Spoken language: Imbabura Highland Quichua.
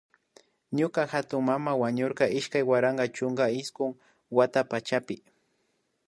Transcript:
Ñuka hatunmana wañurka iskay waranka chunka iskun wata pachapi